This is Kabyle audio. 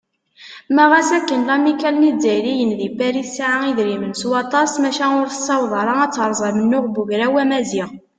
Ma ɣas akken lamikkal n yizzayriyen di Pari tesɛa idrimen s waṭas, maca ur tessaweḍ ara ad teṛṛez amennuɣ n Ugraw Amaziɣ.